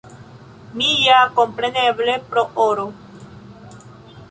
Mi ja, kompreneble, pro oro.